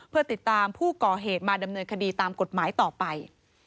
เพื่อติดตามผู้ก่อเหตุมาดำเนินคดีตามกฎหมายต่อไป